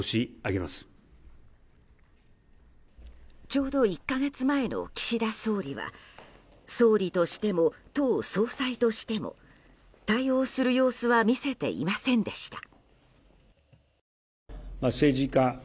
ちょうど１か月前の岸田総理は総理としても、党総裁としても対応する様子は見せていませんでした。